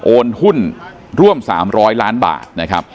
โอนหุ้นร่วม๓๐๐ล้านบาท